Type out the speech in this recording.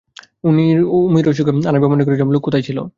উমির অসুখে আনাইব মনে করিয়াছিলাম, লোক কোথায় ছিল?